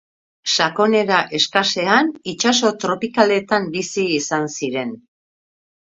Sakonera eskasean itsaso tropikaletan bizi izan ziren.